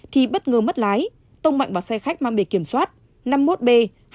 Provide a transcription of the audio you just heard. thì bất ngờ mất lái tông mạnh và xe khách mang bề kiểm soát năm mươi một b hai mươi năm nghìn bốn trăm sáu mươi sáu